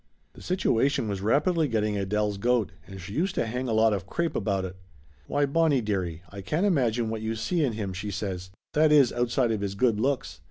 The situation was rapidly get Laughter Limited 209 ting Adele's goat, and she used to hang a lot of crape about it. "Why, Bonnie dearie, I can't imagine what you see in him," she says. "That is, outside of his good looks.